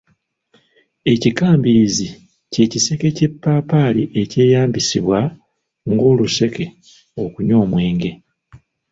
Ekikambirizi ky’ekiseke ky’eppaapaali ekyeyambisibwa ng’oluseke okunywa omwenge.